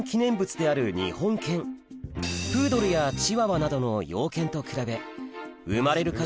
プードルやチワワなどの洋犬と比べ生まれる数は圧倒的に少なく